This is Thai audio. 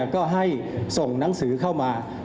ก็ให้ส่งหนังสือเข้ามา